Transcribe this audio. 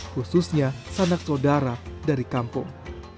khususnya sanak saudara dari kampung